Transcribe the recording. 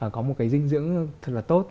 có một cái dinh dưỡng thật là tốt